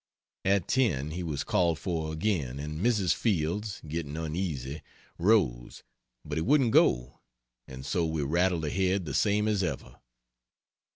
At 10 he was called for again, and Mrs. Fields, getting uneasy, rose, but he wouldn't go and so we rattled ahead the same as ever.